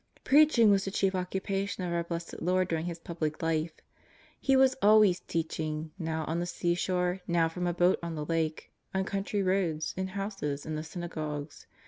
Preaching was the cliief occupation of our Blessed Lord during His Public Life. He was always teach ing, now on the seashore, now from a boat on the lake, on country roads, in houses, in the synagogues.